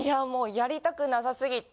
やりたくなさすぎて。